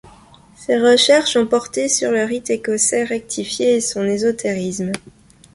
Ses recherches ont porté sur le Rite écossais rectifié et son ésotérisme.